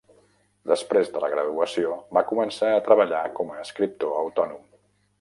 Després de la graduació va començar a treballar com a escriptor autònom.